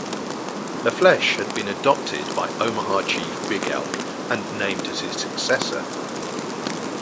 LaFlesche had been adopted by Omaha chief Big Elk and named as his successor.